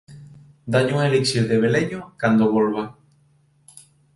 Dálle un elixir de beleño cando volva.